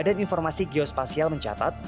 badan informasi geospasial mencatat